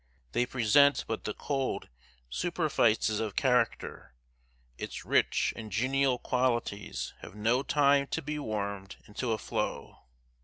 They present but the cold superfices of character its rich and genial qualities have no time to be warmed into a flow.